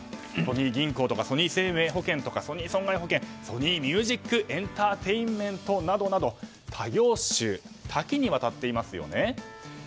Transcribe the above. ソニー銀行とかソニー生命保険、ソニー損害保険ソニー・ミュージック・エンタテインメンなどなど他業種で多岐にわたっていますよね。